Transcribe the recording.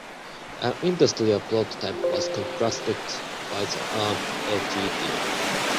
An industrial prototype was constructed by the Arm Ltd.